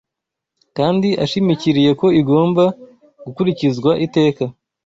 kandi ashimikiriye ko igomba gukurikizwa iteka.